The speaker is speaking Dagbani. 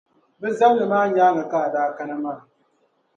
Bε zabili maa nyaaŋa ka a daa kana maa.